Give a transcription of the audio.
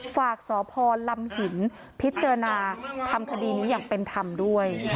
ฝากสพลำหินพิจารณาทำคดีนี้อย่างเป็นธรรมด้วย